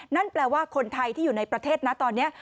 นั่นแปลว่าคนไทยที่อยู่ในประเทศนะตอนนี้